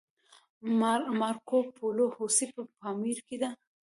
د مارکوپولو هوسۍ په پامیر کې ده